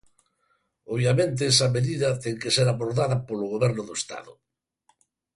Obviamente esa medida ten que ser abordada polo Goberno do Estado.